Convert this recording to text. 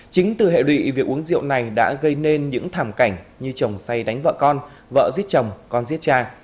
chính từ hệ lụy việc uống rượu này đã gây nên những thảm cảnh như chồng say đánh vợ con vợ giết chồng con giết cha